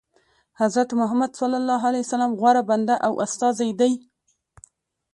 حضرت محمد صلی الله علیه وسلم غوره بنده او استازی دی.